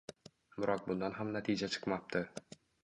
Biroq bundan ham natija chiqmapti